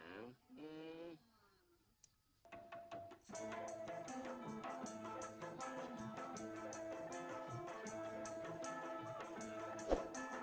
amp rumah lagi